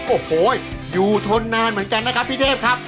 โอ้โหอยู่ทนนานเหมือนกันนะครับพี่เทพครับ